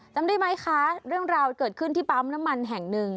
จำได้ไหมคะเรื่องราวเกิดขึ้นที่ปั๊มน้ำมันแห่งหนึ่ง